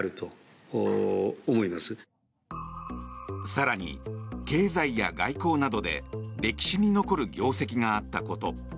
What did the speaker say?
更に、経済や外交などで歴史に残る業績があったこと。